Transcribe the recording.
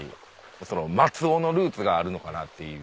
その松尾のルーツがあるのかなっていう。